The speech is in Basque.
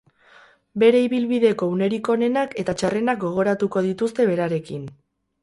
Bere ibilbideko unerik onenak eta txarrenak gogoratuko dituzte berarekin.